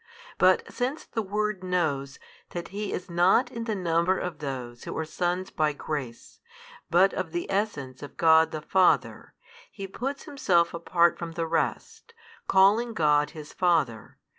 But since the Word knows that He is not in the number of those who are sons by grace, but of the Essence of God the Father, He puts Himself apart from the rest, calling God His Father.